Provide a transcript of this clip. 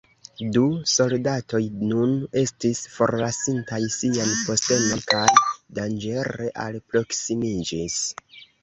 Du soldatoj nun estis forlasintaj sian postenon kaj danĝere alproksimiĝis.